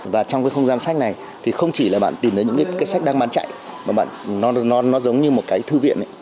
và trong cái không gian sách này thì không chỉ là bạn tìm thấy những cái sách đang bán chạy mà nó giống như một cái thư viện